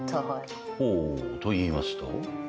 ほうといいますと？